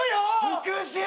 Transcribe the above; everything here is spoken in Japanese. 復讐！？